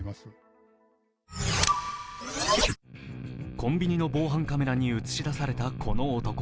コンビニの防犯カメラに映し出されたこの男。